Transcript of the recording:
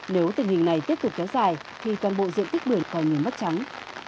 nếu tình hình này tiếp tục kéo dài thì toàn bộ diện tích bưởi còn nhìn mất trắng